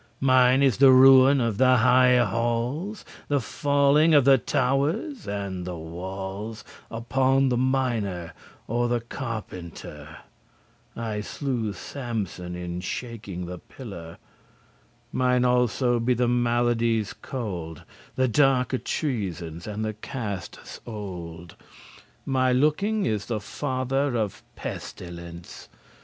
Mine is the ruin of the highe halls, The falling of the towers and the walls Upon the miner or the carpenter: I slew Samson in shaking the pillar: Mine also be the maladies cold, The darke treasons, and the castes* old: *plots My looking is the father of pestilence.